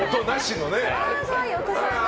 お子さんが。